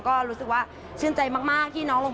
ก็รู้สึกว่าในช่วงต้นเกม